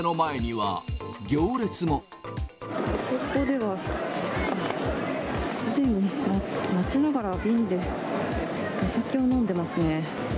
あそこでは、すでに待ちながら、瓶でお酒を飲んでいますね。